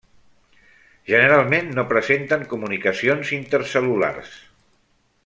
Generalment no presenten comunicacions intercel·lulars.